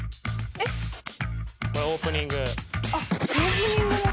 あっオープニング。